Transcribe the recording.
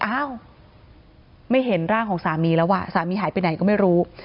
อ้าวไม่เห็นร่างของสามีแล้วอ่ะสามีหายไปไหนก็ไม่รู้